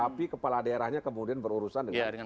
tapi kepala daerahnya kemudian berurusan dengan